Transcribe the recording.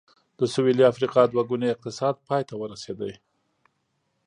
د سوېلي افریقا دوه ګونی اقتصاد پای ته ورسېد.